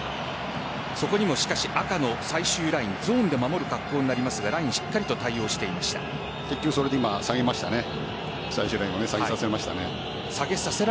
そこにもしかし、赤の最終ラインゾーンで守る格好になりますがラインしっかり対応していますから。